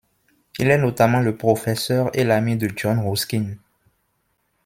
Il est notamment le professeur et l'ami de John Ruskin.